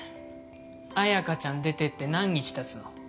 綾華ちゃん出てって何日たつの？